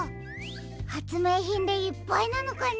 はつめいひんでいっぱいなのかな？